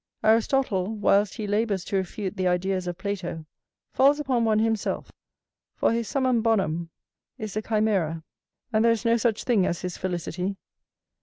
Aristotle, whilst he labours to refute the ideas of Plato, falls upon one himself: for his summum bonum is a chimæra; and there is no such thing as his felicity.